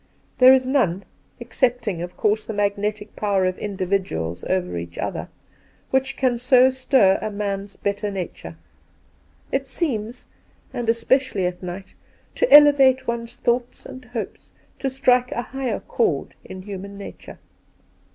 There is none — excepting, of course, the magnetic power of individuals over each other — which can so stir a man's better nature. It seems — and especially at night — to elevate one's thoughts and hopes, to strike a higher chord in human nature.'